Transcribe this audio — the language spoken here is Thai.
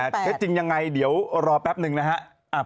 เท็จจริงยังไงเดี๋ยวรอแป๊บหนึ่งนะฮะ